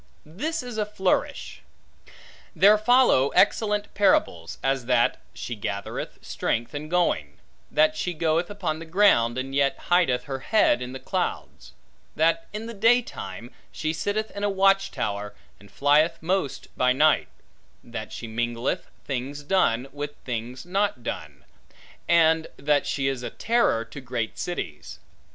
This is a flourish. There follow excellent parables; as that, she gathereth strength in going; that she goeth upon the ground, and yet hideth her head in the clouds; that in the daytime she sitteth in a watch tower, and flieth most by night; that she mingleth things done, with things not done; and that she is a terror to great cities.